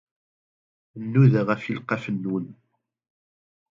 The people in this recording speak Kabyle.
Nnuda ɣef ileqqafen-nwen.